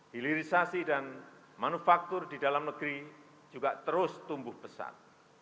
hilirisasi dan manufaktur di dalam negeri juga terus tumbuh pesat